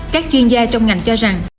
các chuyên gia trong ngành cho rằng